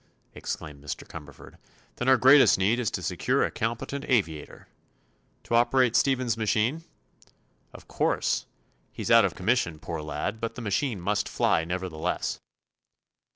exclaimed Mr. Cumberford. "Then our greatest need is to secure a competent aviator." "To operate Stephen's machine?" "Of course. He's out of commission, poor lad; but the machine must fly, nevertheless."